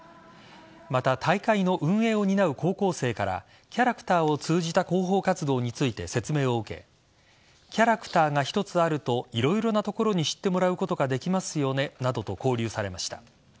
また、大会の運営を担う高校生からキャラクターを通じた広報活動について説明を受けキャラクターが一つあるといろいろなところに知ってもらうことができますよねなどと交流されました。